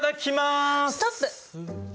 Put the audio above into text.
ストップ！